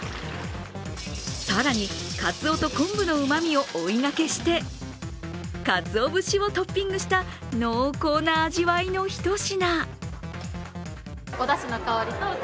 更に、かつおと昆布のうまみを追いがけしてかつお節をトッピングした濃厚な味わいのひと品。